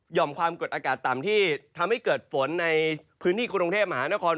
ความกดอากาศต่ำที่ทำให้เกิดฝนในพื้นที่กรุงเทพมหานคร